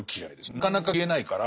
なかなか消えないから。